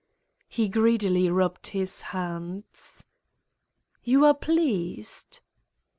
He greedily rubbed his hands. "You are pleased?"